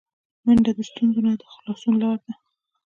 منډه د ستونزو نه د خلاصون لاره ده